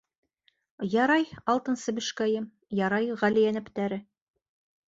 — Ярай, Алтын себешкәйем, ярай, ғәли йәнәптәре...